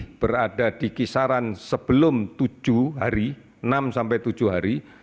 ini berada di kisaran sebelum tujuh hari enam sampai tujuh hari